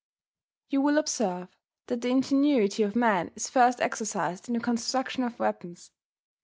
You will observe that the ingenuity of man is first exercised in the construction of weapons.